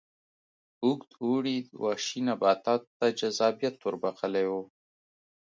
اوږد اوړي وحشي نباتاتو ته جذابیت ور بخښلی و.